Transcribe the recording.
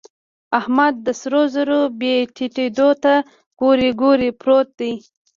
احمد د سرو زرو بيې ټيټېدو ته کوړۍ کوړۍ پروت دی.